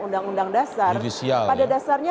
undang undang dasar pada dasarnya